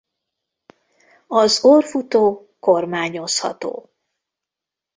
Az orrfutó kormányozható.